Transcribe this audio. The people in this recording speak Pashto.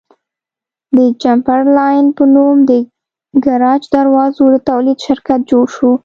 د چمبرلاین په نوم د ګراج دروازو د تولید شرکت جوړ شو.